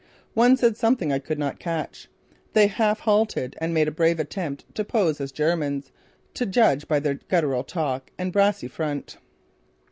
One said something I could not catch. They half halted and made a brave attempt to pose as Germans, to judge by their guttural talk and brassy front.